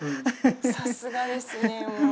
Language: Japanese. さすがですねもう。